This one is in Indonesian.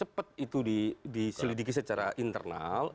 cepat itu diselidiki secara internal